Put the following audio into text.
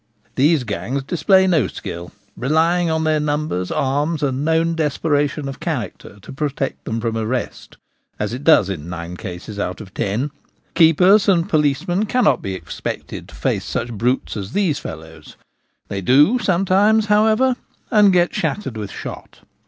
These gangs display no skill; relying on their numbers, arms, and known desperation of character to protect them from arrest, as it does in nine cases out of ten. Keepers and policemen cannot be expected to face such brutes as these fellows ; they do sometimes, however, and get shattered with shot Sleight of Hand Poaching.